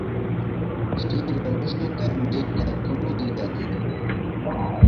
সেই রহস্য তাঁর মেয়েকে এখনো ঘিরে আছে।